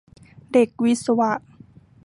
เด็กวิศวะ